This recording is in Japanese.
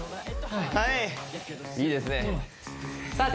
はいいいですねさあ